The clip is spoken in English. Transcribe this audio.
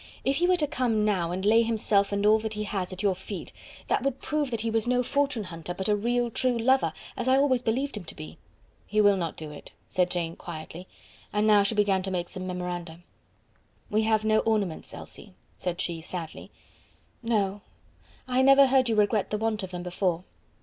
If he were to come now, and lay himself and all that he has at your feet, that would prove that he was no fortune hunter, but a real true lover, as I always believed him to be." "He will not do it," said Jane, quietly; and she now began to make some memoranda. "We have no ornaments, Elsie," said she, sadly. "No; I never heard you regret the want of them before."